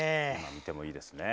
とてもいいですね。